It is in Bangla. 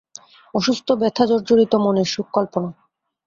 অসুস্থ ব্যথা জর্জরিত মনের সুখ-কল্পনা।